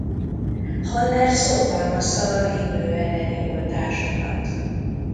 Haller szorgalmazta a himlő elleni oltásokat.